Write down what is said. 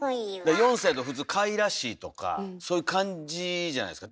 ４歳やと普通かわいらしいとかそういう感じじゃないですか。